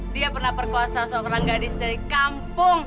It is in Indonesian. dia pernah berkuasa seorang gadis dari kampung